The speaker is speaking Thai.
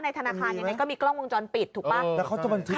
ธนาคารยังไงก็มีกล้องวงจรปิดถูกป่ะ